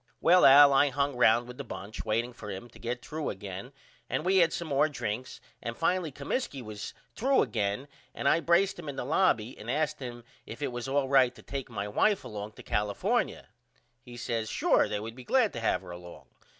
Well Al I hung round with the bunch waiting for him to get threw again and we had some more drinks and finally Comiskey was threw again and I braced him in the lobby and asked him if it was all right to take my wife along to California. He says Sure they would be glad to have her along.